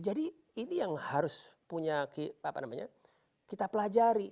jadi ini yang harus punya kita pelajari